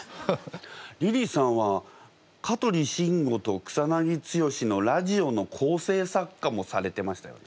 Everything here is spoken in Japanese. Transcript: リリーさんは香取慎吾と草剛のラジオの構成作家もされてましたよね？